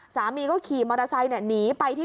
สามีก็ขี่มอเตอร์ไซค์หนีไปที่